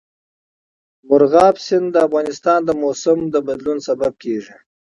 مورغاب سیند د افغانستان د موسم د بدلون سبب کېږي.